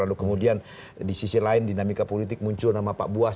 lalu kemudian di sisi lain dinamika politik muncul nama pak buas